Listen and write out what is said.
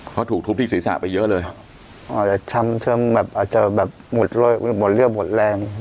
เพราะถูกทุบที่ศีรษะไปเยอะเลยอาจจะช้ำช้ำแบบอาจจะแบบหมดเลือดหมดแรง